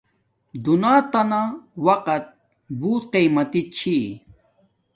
دنیاتانہ وقت بوت قیمتی چھی